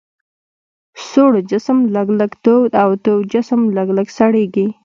سوړ جسم لږ لږ تود او تود جسم لږ لږ سړیږي.